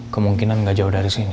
kemungkinan nggak jauh dari sini